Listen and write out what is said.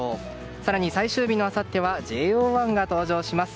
更に、最終日のあさってはＪＯ１が登場します。